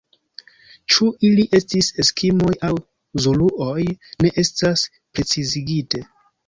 Ĉu ili estis eskimoj aŭ zuluoj, ne estas precizigite.